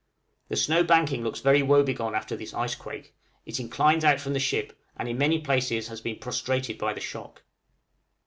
The snow banking looks very woe begone after this ice quake; it inclines out from the ship, and in many places has been prostrated by the shock.